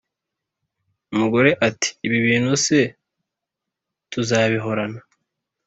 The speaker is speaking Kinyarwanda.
umugore ati: "Ibi bintu se tuzabihorana?"